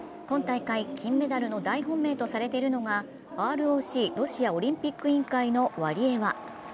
今大会、金メダルの大本命とされているのがＲＯＣ＝ロシアオリンピック委員会のワリエワ。